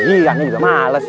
iya ini udah males